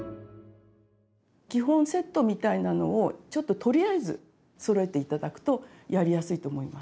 基本セットみたいなのをちょっととりあえずそろえて頂くとやりやすいと思います。